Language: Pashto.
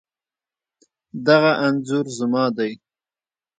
دغه انځور زما دی